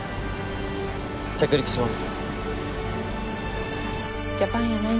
着陸します。